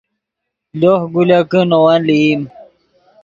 لوہ گولکے نے ون لئیم